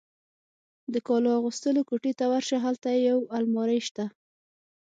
د کالو اغوستلو کوټې ته ورشه، هلته یو المارۍ شته.